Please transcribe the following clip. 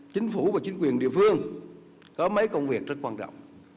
chính phủ và chính quyền địa phương có mấy công việc rất quan trọng